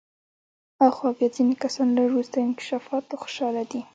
آخوا بیا ځینې کسان له وروستیو انکشافاتو خوشحاله دي.